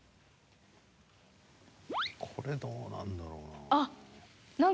これどうなんだろうな。